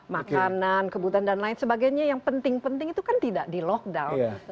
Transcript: makanan kebutuhan dan lain sebagainya yang penting penting itu kan tidak di lockdown